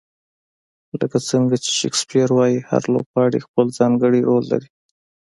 لکه څنګه چې شکسپیر وایي، هر لوبغاړی خپل ځانګړی رول لري.